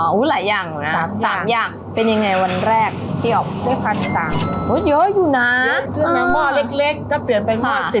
อ๋อหู้ยหลายอย่าง๓อย่างเป็นอย่างเมื่อวันแรกที่ที่ที่ฝั่ง